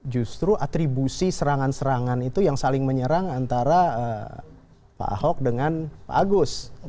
justru atribusi serangan serangan itu yang saling menyerang antara pak ahok dengan pak agus